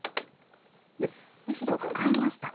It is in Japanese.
白カカえました。